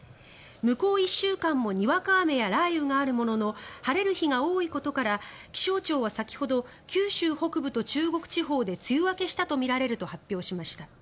向こう１週間もにわか雨や雷雨があるものの晴れる日が多いことから気象庁は先ほど九州北部と中国地方で梅雨明けしたとみられると発表しました。